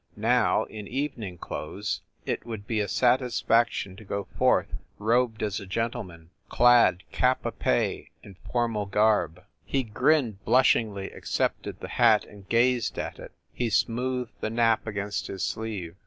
now, in evening clothes, it would be a satisfaction to go forth, robed as a gentleman, clad, cap a pie in formal garb! He grinned, blushingly accepted the hat, and gazed at it. He smoothed the nap against his sleeve.